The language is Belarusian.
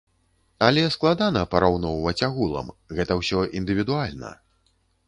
Але складана параўноўваць агулам, гэта ўсё індывідуальна.